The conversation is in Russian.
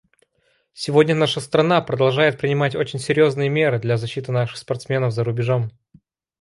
Сегодня наша страна продолжает принимать очень серьезные меры для защиты наших спортсменов за рубежом.